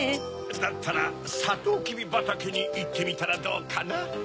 だったらサトウキビばたけにいってみたらどうかな？